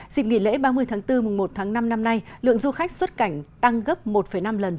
dịp nghỉ lễ ba mươi tháng bốn mùng một tháng năm năm nay lượng du khách xuất cảnh tăng gấp một năm lần